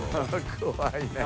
怖いね